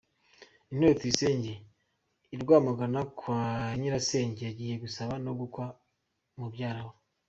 Intore Tuyisenge i Rwamagana kwa nyirasenge yagiye gusaba no gukwa mubyara we.